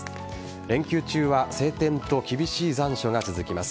連休中は晴天と厳しい残暑が続きます。